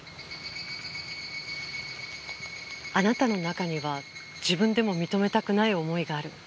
あなたの中には自分でも認めたくない思いがある。